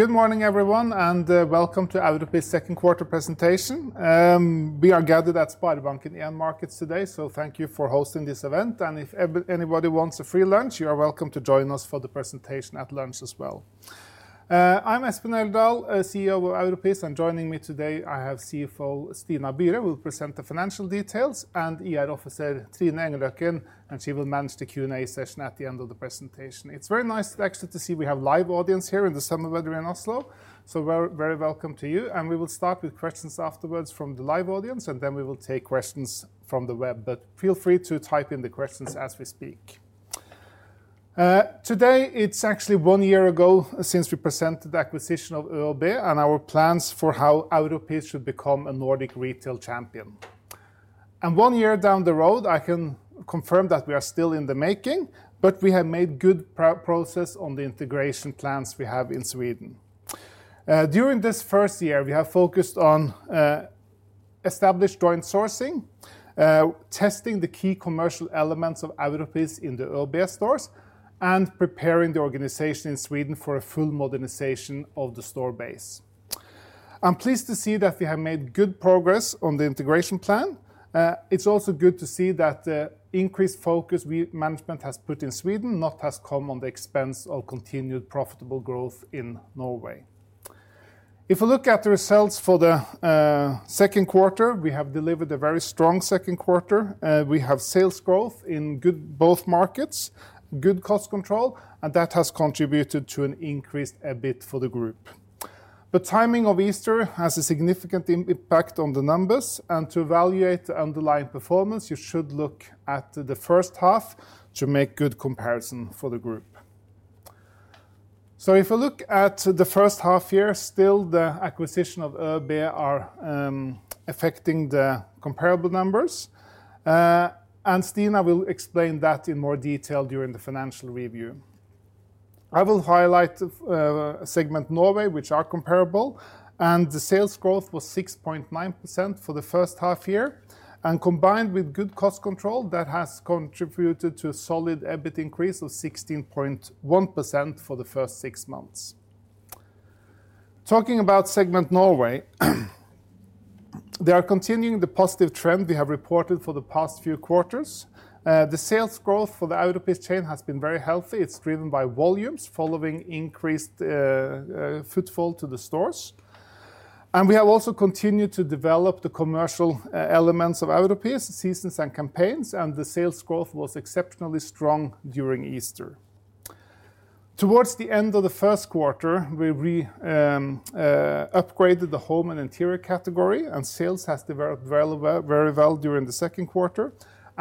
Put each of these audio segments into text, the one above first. Good morning, everyone, and welcome to Europris second quarter presentation. We are gathered at Sparebanken 1 Markets today, so thank you for hosting this event. If anybody wants a free lunch, you are welcome to join us for the presentation at lunch as well. I'm Espen Eldal, CEO of Europris, and joining me today, I have CFO Stina Byre, who will present the financial details, and IRO Trine Engløkken, and she will manage the Q&A session at the end of the presentation. It's very nice actually to see we have a live audience here in the summer weather in Oslo, so very welcome to you. We will start with questions afterwards from the live audience, and then we will take questions from the web, but feel free to type in the questions as we speak. Today, it's actually one year ago since we presented the acquisition of ÖoB and our plans for how Europris should become a Nordic retail champion. One year down the road, I can confirm that we are still in the making, but we have made good progress on the integration plans we have in Sweden. During this first year, we have focused on established joint sourcing, testing the key commercial elements of Europris in the ÖoB stores, and preparing the organization in Sweden for a full modernization of the store base. I'm pleased to see that we have made good progress on the integration plan. It's also good to see that the increased focus management has put in Sweden has not come at the expense of continued profitable growth in Norway. If we look at the results for the second quarter, we have delivered a very strong second quarter. We have sales growth in both markets, good cost control, and that has contributed to an increased EBIT for the group. The timing of Easter has a significant impact on the numbers, and to evaluate the underlying performance, you should look at the first half to make a good comparison for the group. If we look at the first half here, still the acquisition of ÖoB is affecting the comparable numbers, and Stina will explain that in more detail during the financial review. I will highlight the segment Norway, which is comparable, and the sales growth was 6.9% for the first half year, and combined with good cost control, that has contributed to a solid EBIT increase of 16.1% for the first six months. Talking about segment Norway, they are continuing the positive trend we have reported for the past few quarters. The sales growth for the Europris chain has been very healthy. It's driven by volumes following increased footfall to the stores. We have also continued to develop the commercial elements of Europris, seasons and campaigns, and the sales growth was exceptionally strong during Easter. Towards the end of the first quarter, we re-upgraded the home and interior category, and sales have developed very well during the second quarter.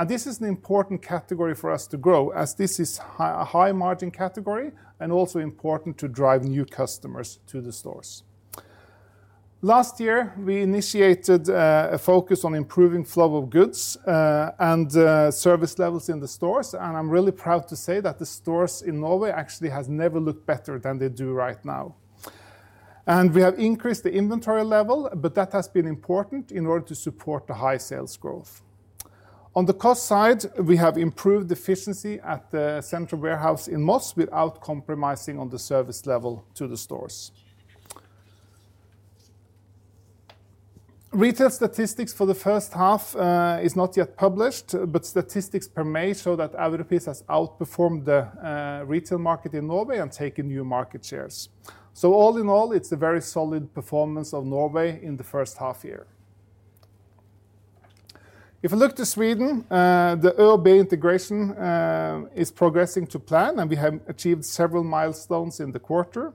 This is an important category for us to grow, as this is a high margin category and also important to drive new customers to the stores. Last year, we initiated a focus on improving flow of goods and service levels in the stores, and I'm really proud to say that the stores in Norway actually have never looked better than they do right now. We have increased the inventory level, but that has been important in order to support the high sales growth. On the cost side, we have improved efficiency at the central warehouse in Moss without compromising on the service level to the stores. Retail statistics for the first half are not yet published, but statistics per May show that Europris has outperformed the retail market in Norway and taken new market shares. All in all, it's a very solid performance of Norway in the first half year. If we look to Sweden, the ÖoB integration is progressing to plan, and we have achieved several milestones in the quarter.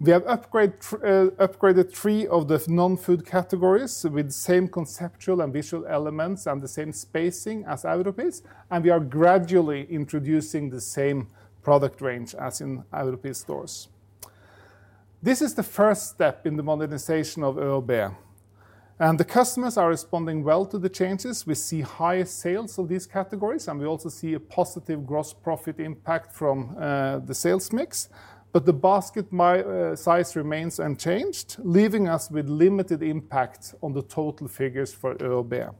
We have upgraded three of the non-food categories with the same conceptual and visual elements and the same spacing as Europris, and we are gradually introducing the same product range as in Europris stores. This is the first step in the modernization of ÖoB, and the customers are responding well to the changes. We see high sales of these categories, and we also see a positive gross profit impact from the sales mix, but the basket size remains unchanged, leaving us with limited impact on the total figures for ÖoB.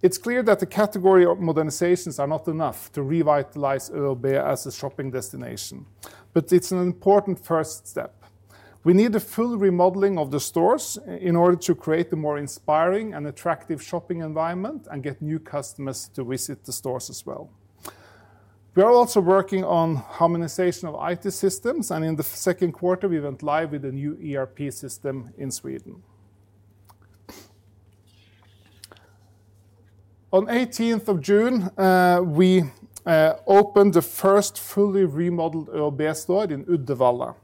It is clear that the category modernizations are not enough to revitalize ÖoB as a shopping destination, but it's an important first step. We need a full remodeling of the stores in order to create a more inspiring and attractive shopping environment and get new customers to visit the stores as well. We are also working on harmonization of IT systems, and in the second quarter, we went live with a new ERP system in Sweden. On June 18, we opened the first fully remodeled ÖoB store in Uddevalla.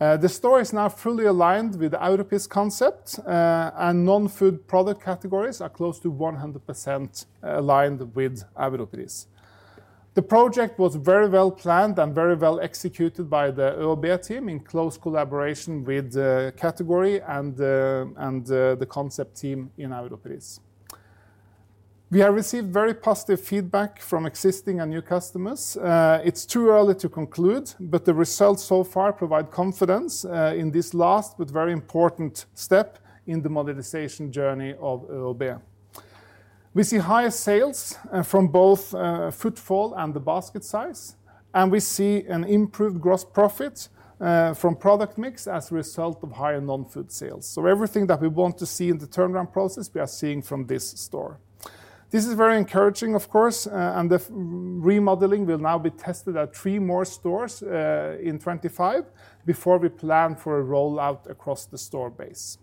The store is now fully aligned with the Europris concept, and non-food product categories are close to 100% aligned with Europris. The project was very well planned and very well executed by the ÖoB team in close collaboration with the category and the concept team in Europris. We have received very positive feedback from existing and new customers. It's too early to conclude, but the results so far provide confidence in this last but very important step in the modernization journey of ÖoB. We see high sales from both footfall and the basket size, and we see an improved gross profit from product mix as a result of higher non-food sales. Everything that we want to see in the turnaround process, we are seeing from this store. This is very encouraging, of course, and the remodeling will now be tested at three more stores in 2025 before we plan for a rollout across the store base.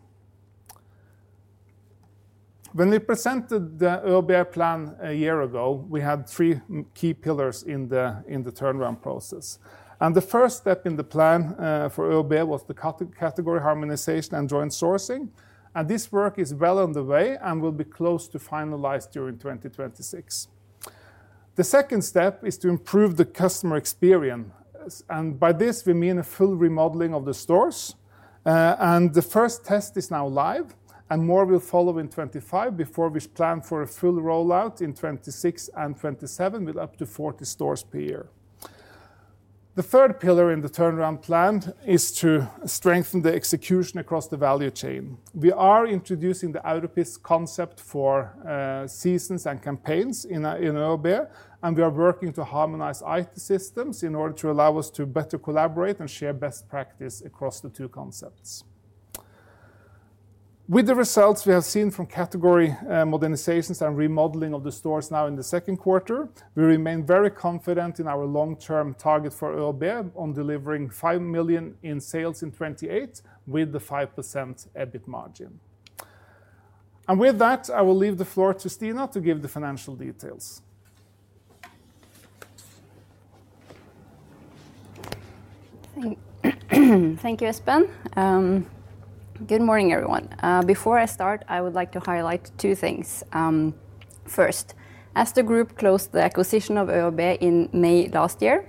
When we presented the ÖoB plan a year ago, we had three key pillars in the turnaround process. The first step in the plan for ÖoB was the category harmonization and joint sourcing, and this work is well underway and will be close to finalized during 2026. The second step is to improve the customer experience, and by this, we mean a full remodeling of the stores. The first test is now live, and more will follow in 2025 before we plan for a full rollout in 2026 and 2027 with up to 40 stores per year. The third pillar in the turnaround plan is to strengthen the execution across the value chain. We are introducing the Europris concept for seasons and campaigns in ÖoB, and we are working to harmonize IT systems in order to allow us to better collaborate and share best practice across the two concepts. With the results we have seen from category modernizations and remodeling of the stores now in the second quarter, we remain very confident in our long-term target for ÖoB on delivering 5 million in sales in 2028 with the 5% EBIT margin. With that, I will leave the floor to Stina to give the financial details. Thank you, Espen. Good morning, everyone. Before I start, I would like to highlight two things. First, as the group closed the acquisition of ÖoB in May last year,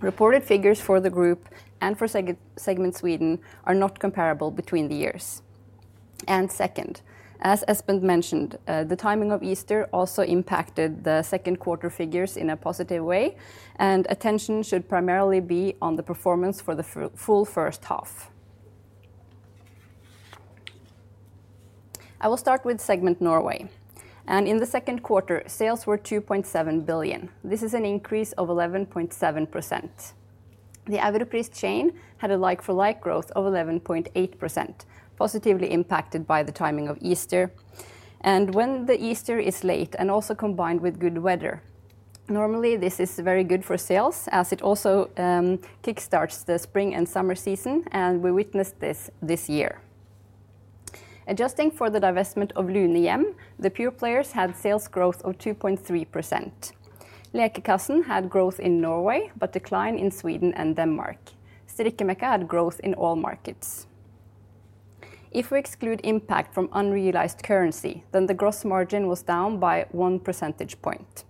reported figures for the group and for segment Sweden are not comparable between the years. Second, as Espen mentioned, the timing of Easter also impacted the second quarter figures in a positive way, and attention should primarily be on the performance for the full first half. I will start with segment Norway. In the second quarter, sales were 2.7 billion. This is an increase of 11.7%. The Europris chain had a like-for-like growth of 11.8%, positively impacted by the timing of Easter. When Easter is late and also combined with good weather, normally this is very good for sales as it also kickstarts the spring and summer season, and we witnessed this this year. Adjusting for the divestment of Lunem, the pure players had sales growth of 2.3%. Lekekassen had growth in Norway, but decline in Sweden and Denmark. Strikemekka had growth in all markets. If we exclude impact from unrealized currency, then the gross margin was down by 1 percentage point.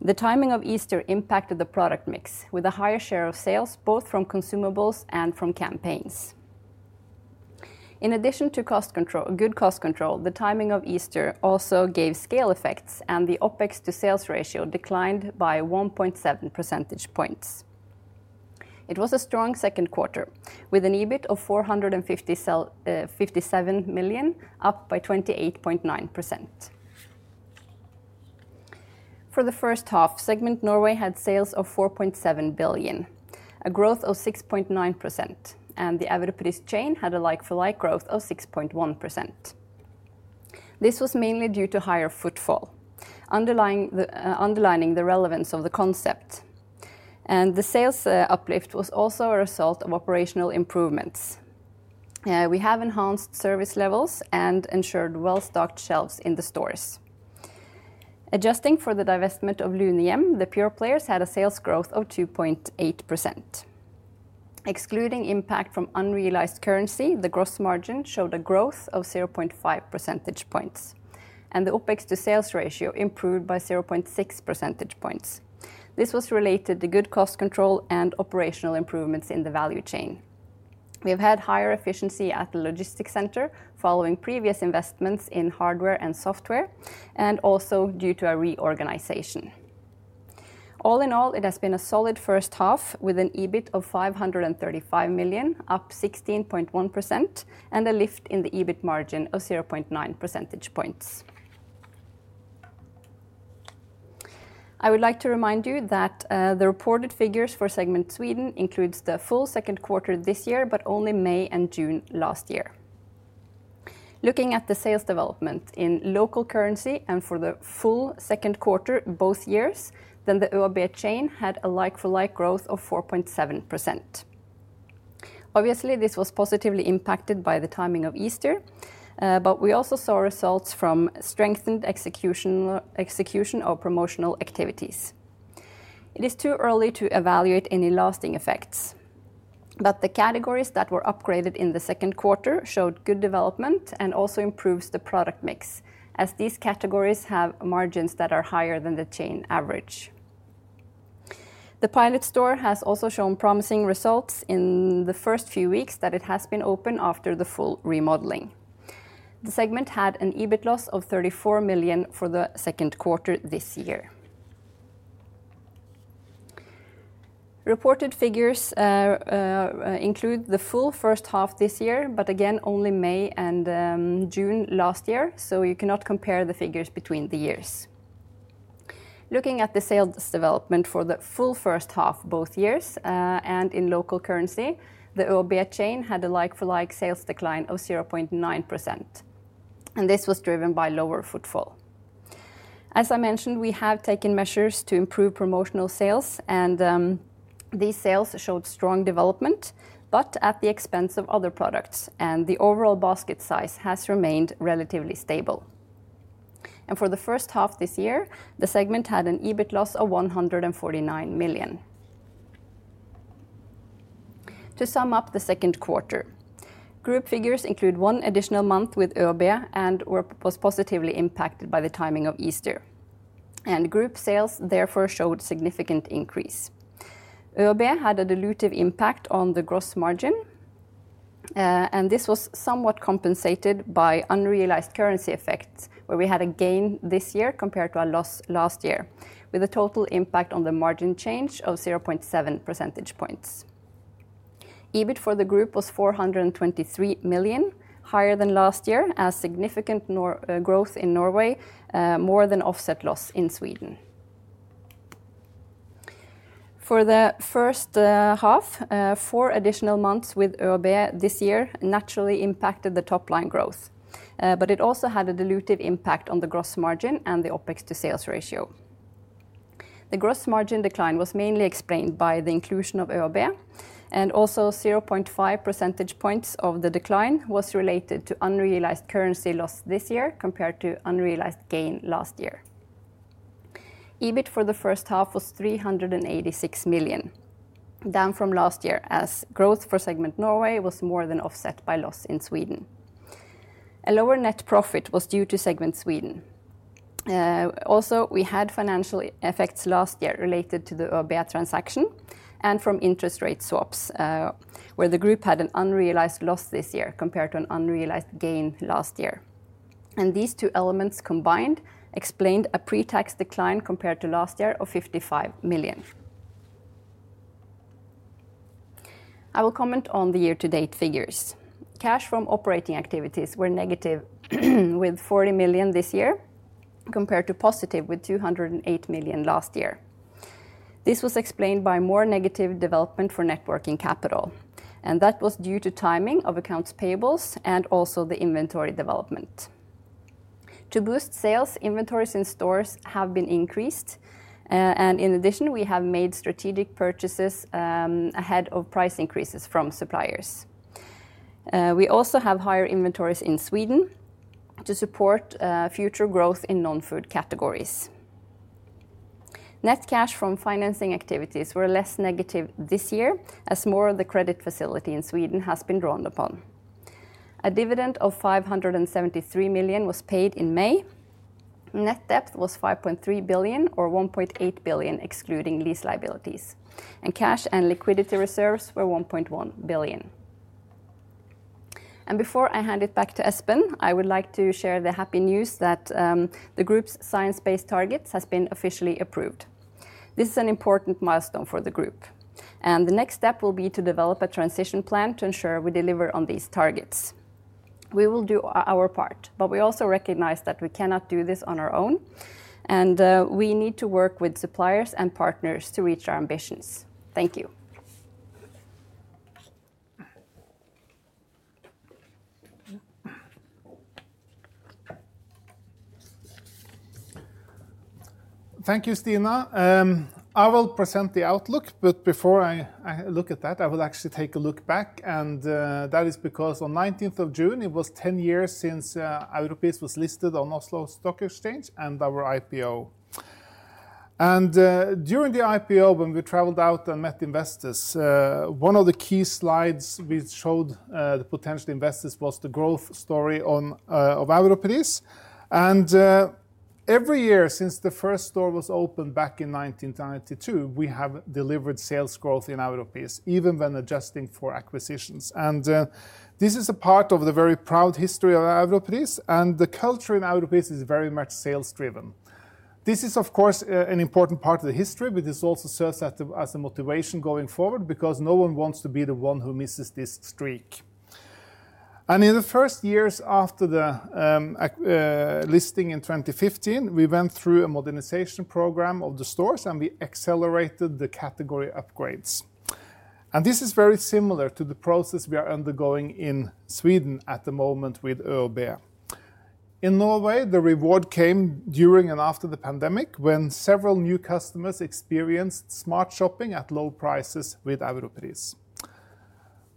The timing of Easter impacted the product mix with a higher share of sales both from consumables and from campaigns. In addition to good cost control, the timing of Easter also gave scale effects, and the OpEx to sales ratio declined by 1.7 percentage points. It was a strong second quarter with an EBIT of 457 million, up by 28.9%. For the first half, segment Norway had sales of 4.7 billion, a growth of 6.9%, and the Europris chain had a like-for-like growth of 6.1%. This was mainly due to higher footfall, underlining the relevance of the concept. The sales uplift was also a result of operational improvements. We have enhanced service levels and ensured well-stocked shelves in the stores. Adjusting for the divestment of Lunem, the pure players had a sales growth of 2.8%. Excluding impact from unrealized currency, the gross margin showed a growth of 0.5 percentage points, and the OpEx to sales ratio improved by 0.6 percentage points. This was related to good cost control and operational improvements in the value chain. We have had higher efficiency at the logistics center following previous investments in hardware and software, and also due to our reorganization. All in all, it has been a solid first half with an EBIT of 535 million, up 16.1%, and a lift in the EBIT margin of 0.9 percentage points. I would like to remind you that the reported figures for segment Sweden include the full second quarter this year, but only May and June last year. Looking at the sales development in local currency and for the full second quarter both years, then the ÖoB chain had a like-for-like growth of 4.7%. Obviously, this was positively impacted by the timing of Easter, but we also saw results from strengthened execution of promotional activities. It is too early to evaluate any lasting effects, but the categories that were upgraded in the second quarter showed good development and also improved the product mix, as these categories have margins that are higher than the chain average. The pilot store has also shown promising results in the first few weeks that it has been open after the full remodeling. The segment had an EBIT loss of 34 million for the second quarter this year. Reported figures include the full first half this year, but again only May and June last year, so you cannot compare the figures between the years. Looking at the sales development for the full first half both years and in local currency, the ÖoB chain had a like-for-like sales decline of 0.9%, and this was driven by lower footfall. As I mentioned, we have taken measures to improve promotional sales, and these sales showed strong development, but at the expense of other products, and the overall basket size has remained relatively stable. For the first half this year, the segment had an EBIT loss of 149 million. To sum up the second quarter, group figures include one additional month with ÖoB and was positively impacted by the timing of Easter, and group sales therefore showed a significant increase. ÖoB had a dilutive impact on the gross margin, and this was somewhat compensated by unrealized currency effects, where we had a gain this year compared to our loss last year, with a total impact on the margin change of 0.7 percentage points. EBIT for the group was 423 million, higher than last year, as significant growth in Norway more than offset loss in Sweden. For the first half, four additional months with ÖoB this year naturally impacted the top line growth, but it also had a dilutive impact on the gross margin and the OPEX to sales ratio. The gross margin decline was mainly explained by the inclusion of ÖoB, and also 0.5 percentage points of the decline was related to unrealized currency loss this year compared to unrealized gain last year. EBIT for the first half was 386 million, down from last year, as growth for segment Norway was more than offset by loss in Sweden. A lower net profit was due to segment Sweden. Also, we had financial effects last year related to the ÖoB transaction and from interest rate swaps, where the group had an unrealized loss this year compared to an unrealized gain last year. These two elements combined explained a pre-tax decline compared to last year of 55 million. I will comment on the year-to-date figures. Cash from operating activities was negative with 40 million this year compared to positive with 208 million last year. This was explained by more negative development for net working capital, and that was due to timing of accounts payables and also the inventory development. To boost sales, inventories in stores have been increased, and in addition, we have made strategic purchases ahead of price increases from suppliers. We also have higher inventories in Sweden to support future growth in non-food categories. Net cash from financing activities was less negative this year, as more of the credit facility in Sweden has been drawn upon. A dividend of 573 million was paid in May. Net debt was 5.3 billion or 1.8 billion excluding lease liabilities, and cash and liquidity reserves were 1.1 billion. Before I hand it back to Espen, I would like to share the happy news that the group's science-based climate targets have been officially approved. This is an important milestone for the group, and the next step will be to develop a transition plan to ensure we deliver on these targets. We will do our part, but we also recognize that we cannot do this on our own, and we need to work with suppliers and partners to reach our ambitions. Thank you. Thank you, Stina. I will present the outlook, but before I look at that, I will actually take a look back, and that is because on 19th of June, it was 10 years since Europris was listed on Oslo Stock Exchange and our IPO. During the IPO, when we traveled out and met investors, one of the key slides we showed the potential investors was the growth story of Europris. Every year since the first store was opened back in 1992, we have delivered sales growth in Europris, even when adjusting for acquisitions. This is a part of the very proud history of Europris, and the culture in Europris is very much sales-driven. This is, of course, an important part of the history, but this also serves as a motivation going forward because no one wants to be the one who misses this streak. In the first years after the listing in 2015, we went through a modernization program of the stores, and we accelerated the category upgrades. This is very similar to the process we are undergoing in Sweden at the moment with ÖoB. In Norway, the reward came during and after the pandemic when several new customers experienced smart shopping at low prices with Europris.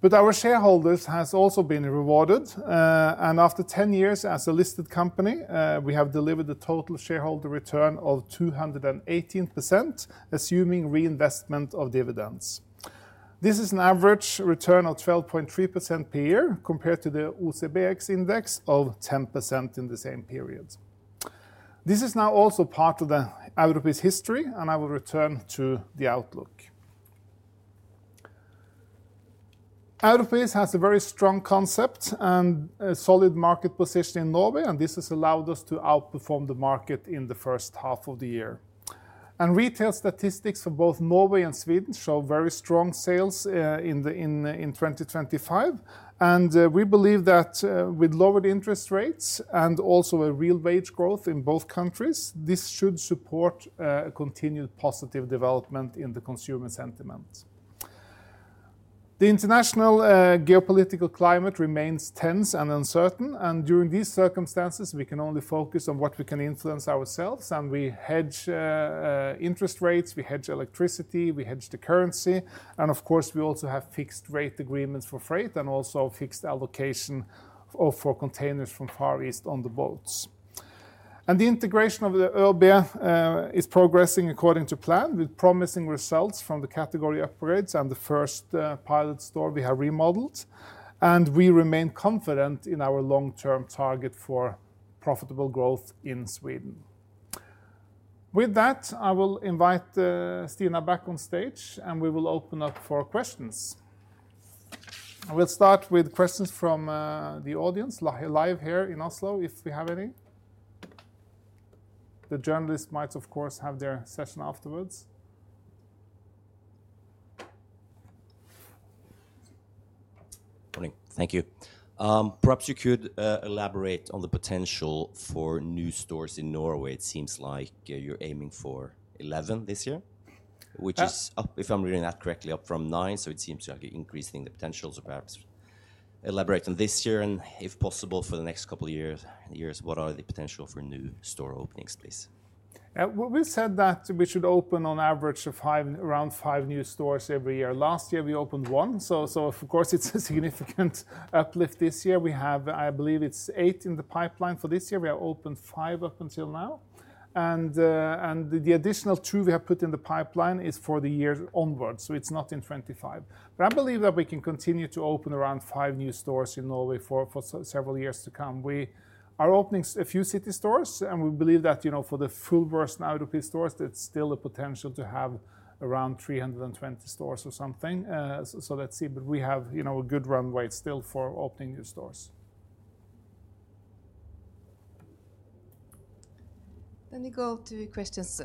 Our shareholders have also been rewarded, and after 10 years as a listed company, we have delivered a total shareholder return of 218%, assuming reinvestment of dividends. This is an average return of 12.3% per year compared to the UCBX index of 10% in the same period. This is now also part of the Europris history, and I will return to the outlook. Europris has a very strong concept and a solid market position in Norway, and this has allowed us to outperform the market in the first half of the year. Retail statistics for both Norway and Sweden show very strong sales in 2025, and we believe that with lowered interest rates and also a real wage growth in both countries, this should support continued positive development in the consumer sentiment. The international geopolitical climate remains tense and uncertain, and during these circumstances, we can only focus on what we can influence ourselves, and we hedge interest rates, we hedge electricity, we hedge the currency, and of course, we also have fixed rate agreements for freight and also fixed allocation for containers from Far East on the boats. The integration of the ÖoB is progressing according to plan with promising results from the category upgrades and the first pilot store we have remodeled, and we remain confident in our long-term target for profitable growth in Sweden. With that, I will invite Stina back on stage, and we will open up for questions. We'll start with questions from the audience live here in Oslo if we have any. The journalists might, of course, have their session afterwards. Morning, thank you. Perhaps you could elaborate on the potential for new stores in Norway. It seems like you're aiming for 11 this year, which is up, if I'm reading that correctly, up from 9, so it seems like increasing the potential. Perhaps elaborate on this year, and if possible for the next couple of years, what are the potential for new store openings, please? We said that we should open on average around five new stores every year. Last year, we opened one, so of course, it's a significant uplift this year. We have, I believe, eight in the pipeline for this year. We have opened five up until now, and the additional two we have put in the pipeline is for the year onwards, so it's not in 2025. I believe that we can continue to open around five new stores in Norway for several years to come. We are opening a few city stores, and we believe that for the full version of Europris stores, there's still a potential to have around 320 stores or something, so let's see, but we have a good runway still for opening new stores. We go to questions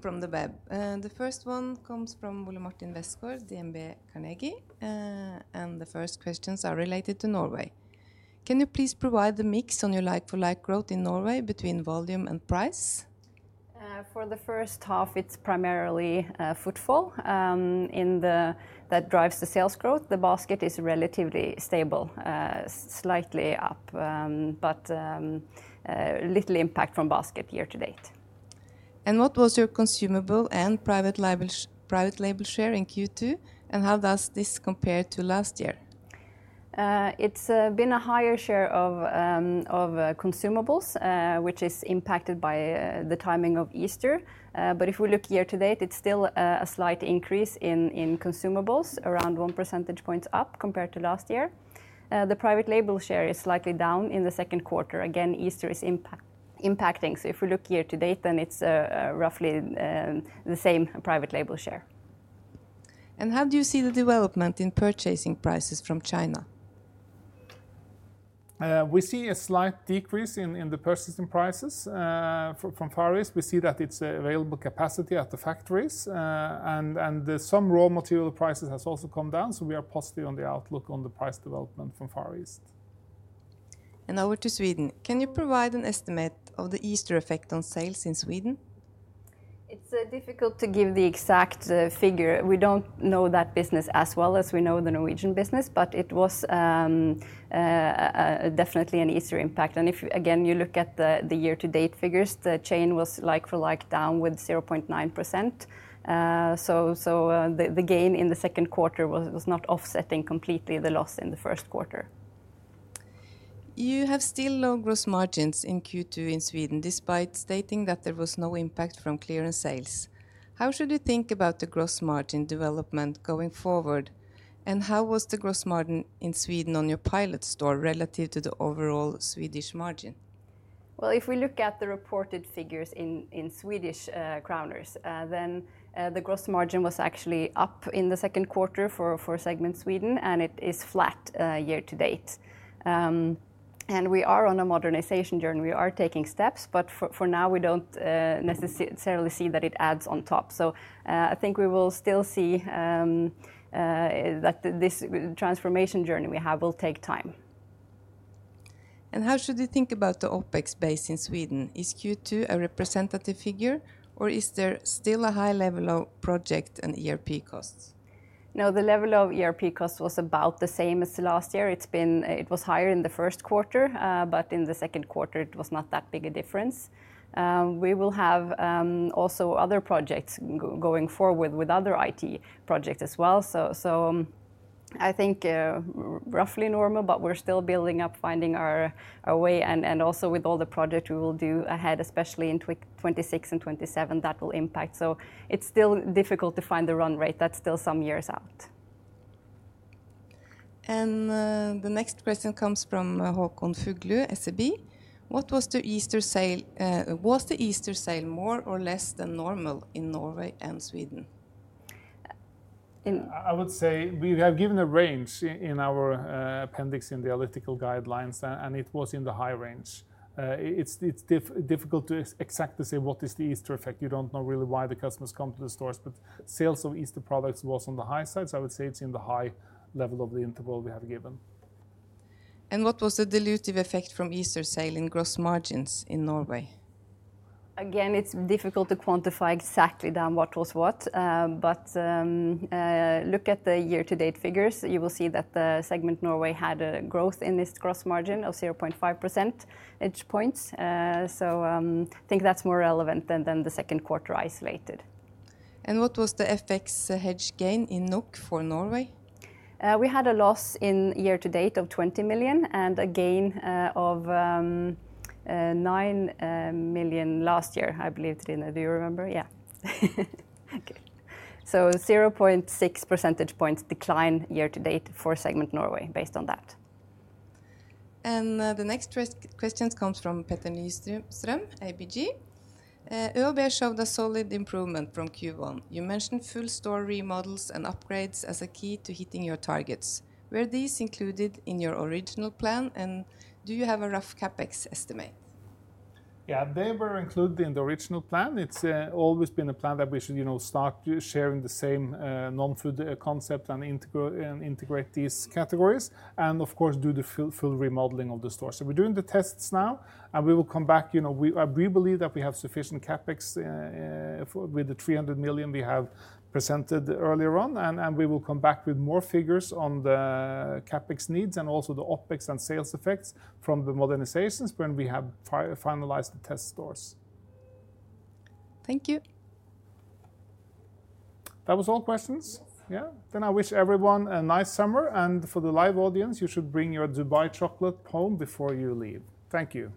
from the web. The first one comes from Ole Martin Westgaard, DNB Carnegie, and the first questions are related to Norway. Can you please provide the mix on your like-for-like growth in Norway between volume and price? For the first half, it's primarily footfall that drives the sales growth. The basket is relatively stable, slightly up, but little impact from basket year to date. What was your consumable and private label share in Q2, and how does this compare to last year? It's been a higher share of consumables, which is impacted by the timing of Easter. If we look year to date, it's still a slight increase in consumables, around 1% up compared to last year. The private label share is slightly down in the second quarter. Easter is impacting, so if we look year to date, then it's roughly the same private label share. How do you see the development in purchasing prices from Asia? We see a slight decrease in the purchasing prices from Asia. We see that there's available capacity at the factories, and some raw material prices have also come down. We are positive on the outlook on the price development from Asia. Over to Sweden, can you provide an estimate of the Easter effect on sales in Sweden? It's difficult to give the exact figure. We don't know that business as well as we know the Norwegian business, but it was definitely an Easter impact. If again you look at the year-to-date figures, the chain was like-for-like down with 0.9%, so the gain in the second quarter was not offsetting completely the loss in the first quarter. You have still low gross margins in Q2 in Sweden despite stating that there was no impact from clearance sales. How should you think about the gross margin development going forward, and how was the gross margin in Sweden on your pilot store relative to the overall Swedish margin? If we look at the reported figures in Swedish kroner, then the gross margin was actually up in the second quarter for segment Sweden, and it is flat year to date. We are on a modernization journey. We are taking steps, but for now, we don't necessarily see that it adds on top, so I think we will still see that this transformation journey we have will take time. How should you think about the OPEX base in Sweden? Is Q2 a representative figure, or is there still a high level of project and ERP costs? No, the level of ERP costs was about the same as last year. It was higher in the first quarter, but in the second quarter, it was not that big a difference. We will have also other projects going forward with other IT projects as well. I think roughly normal, but we're still building up, finding our way, and also with all the projects we will do ahead, especially in 2026 and 2027, that will impact, so it's still difficult to find the run rate. That's still some years out. The next question comes from Håkon Fuglu, SEB. Was the Easter sale more or less than normal in Norway and Sweden? I would say we have given a range in our appendix in the analytical guidelines, and it was in the high range. It's difficult to exactly say what is the Easter effect. You don't know really why the customers come to the stores, but sales of Easter products was on the high side, so I would say it's in the high level of the interval we have given. What was the dilutive effect from Easter sale in gross margins in Norway? Again, it's difficult to quantify exactly what was what, but look at the year-to-date figures. You will see that the segment Norway had a growth in its gross margin of 0.5%, so I think that's more relevant than the second quarter isolated. What was the FX hedge gain in NOK for Norway? We had a loss year to date of 20 million and a gain of 9 million last year, I believe. Trine, do you remember? Yeah. Thank you. There is a 0.6% decline year to date for segment Norway based on that. The next question comes from Petter Nyström, ABG. ÖoB showed a solid improvement from Q1. You mentioned full store remodels and upgrades as a key to hitting your targets. Were these included in your original plan, and do you have a rough CapEx estimate? Yeah, they were included in the original plan. It's always been a plan that we should start sharing the same non-food concept and integrate these categories, and of course do the full remodeling of the store. We are doing the tests now, and we will come back. We believe that we have sufficient CapEx with the 300 million we have presented earlier on, and we will come back with more figures on the CapEx needs and also the OpEx and sales effects from the modernizations when we have finalized the test stores. Thank you. That was all questions. I wish everyone a nice summer, and for the live audience, you should bring your Dubai chocolate home before you leave. Thank you.